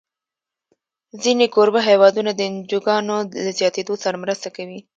ځینې کوربه هېوادونه د انجوګانو له زیاتېدو سره مرسته کوي.